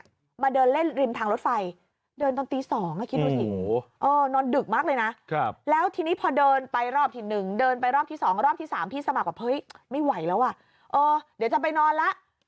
ก็มาเดินเล่นริมทางรถไฟเดินตอนตี๒คิดดูสินอนดึกมากเลยนะแล้วทีนี้พอเดินไปรอบที่๑เดินไปรอบที่๒รอบที่๓พี่สมัครแบบเฮ้ยไม่ไหวแล้วอ่ะเออเดี๋ยวจะไปนอนแล้ว